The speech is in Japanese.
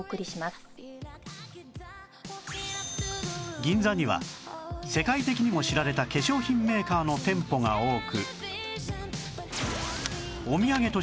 銀座には世界的にも知られた化粧品メーカーの店舗が多く